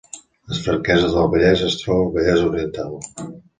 Les Franqueses del Vallès es troba al Vallès Oriental